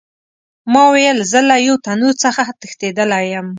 ما ویل زه له یو تنور څخه تښتېدلی یم.